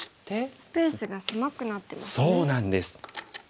スペースが狭くなってますね。